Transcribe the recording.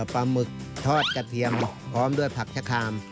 หมึกทอดกระเทียมพร้อมด้วยผักชะคาม